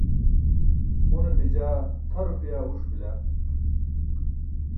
unaṭe jaa tʰa rupaya uṣ bila